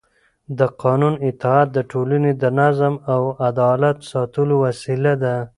د قانون اطاعت د ټولنې د نظم او عدالت ساتلو وسیله ده